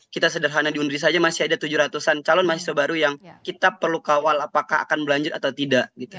kita sederhana di undri saja masih ada tujuh ratus an calon mahasiswa baru yang kita perlu kawal apakah akan berlanjut atau tidak